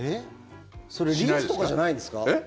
それリンスとかじゃないですか？